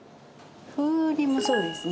「風鈴」もそうですね。